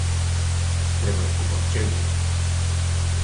Треба да купам чевли.